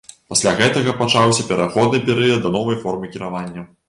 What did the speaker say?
Пасля гэтага пачаўся пераходны перыяд да новай формы кіравання.